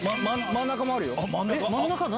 真ん中もあるよ。